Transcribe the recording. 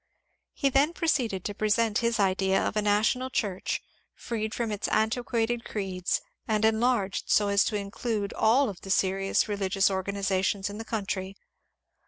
He then proceeded to present his idea of a national Church freed from its antiquated creeds and enlarged so as to include all of the serious religious or ganizations in the country.